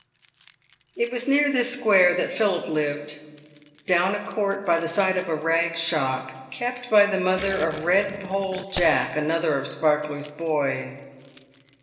It was near this square that Philip lived, down a court by the side of a rag shop, kept by the mother of Eedpole Jack, another of Sparkler's boys.